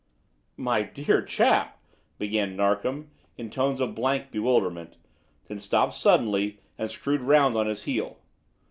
"My dear chap!" began Narkom in tones of blank bewilderment, then stopped suddenly and screwed round on his heel.